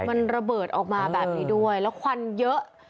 มันระเบิดออกมาแบบนี้ด้วยแล้วควันเยอะ